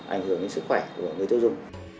ảnh hưởng đến sức khỏe của người tiêu dùng